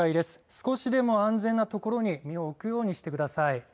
少しでも安全な所に身を置くようにしてください。